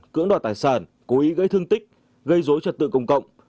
cưỡng đoạt tài sản cố ý gây thương tích gây dối trật tự công cộng